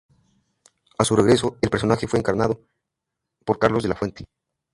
A su regreso, el personaje fue encarnado por Carlos de la Fuente.